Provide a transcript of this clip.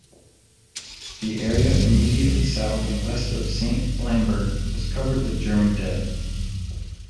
The area immediately south and west of Saint Lambert was covered with German dead.